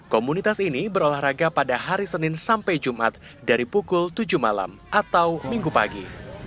komunitas ini berolahraga pada hari senin sampai jumat dari pukul tujuh malam atau minggu pagi